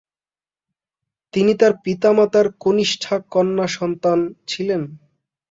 তিনি তার পিতামাতার কনিষ্ঠা কন্যা সন্তান ছিলেন।